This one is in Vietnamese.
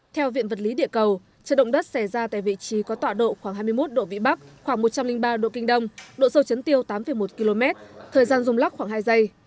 theo viện vật lý địa cầu trận động đất xảy ra tại vị trí có tọa độ khoảng hai mươi một độ vĩ bắc khoảng một trăm linh ba độ kinh đông độ sâu chấn tiêu tám một km thời gian rung lắc khoảng hai giây